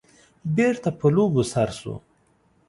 بېرته په لوبو سر شو.